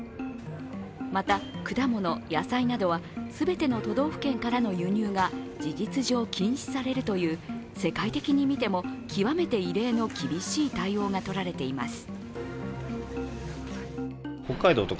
また、果物、野菜などは全ての都道府県からの輸入が事実上、禁止されるという世界的に見ても極めて異例の厳しい対応が取られています。